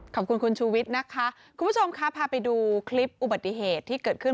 ขอบคุณคุณชูวิทย์นะคะคุณผู้ชมค่ะพาไปดูคลิปอุบัติเหตุที่เกิดขึ้น